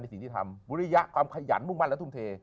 สิ่งที่ทำบุริยะความขยันมุ่งมั่นและทุ่มเท